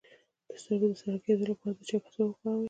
د سترګو د سره کیدو لپاره د چای کڅوړه وکاروئ